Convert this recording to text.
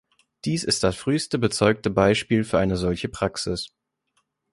Dies ist das früheste bezeugte Beispiel für eine solche Praxis.